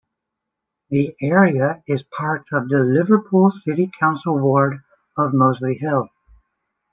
The area is part of the Liverpool City Council Ward of Mossley Hill.